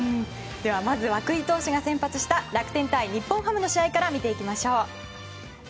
では、まず涌井投手が先発した楽天対日本ハムの試合を見ていきましょう。